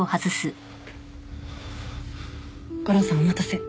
悟郎さんお待たせ。